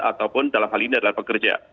ataupun dalam hal ini adalah pekerja